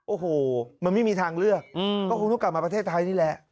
โอ้โหมันไม่มีทางเลือกก็คงต้องกลับมาประเทศไทยนี่แหละ